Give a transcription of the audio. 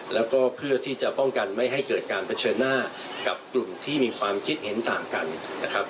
แล้วก็เพื่อที่จะป้องกันไม่ให้เกิดการเผชิญหน้ากับกลุ่มที่มีความคิดเห็นต่างกันนะครับ